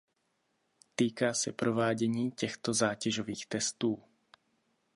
Týká se provádění těchto zátěžových testů.